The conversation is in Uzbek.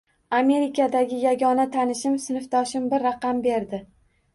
Amerikadagi yagona tanishim — sinfdoshim bir raqam berdi.